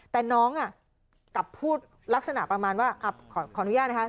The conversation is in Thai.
แต่น้องกลับพูดลักษณะประมาณว่าขออนุญาตนะคะ